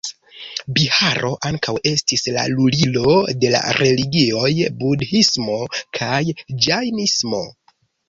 Biharo ankaŭ estis la lulilo de la religioj budhismo kaj ĝajnismo.